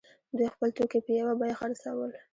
دوی خپل توکي په یوه بیه خرڅول.